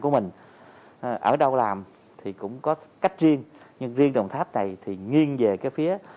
ở đâu làm thì cũng có cách riêng nhưng riêng đồng tháp này thì nghiêng về cái phía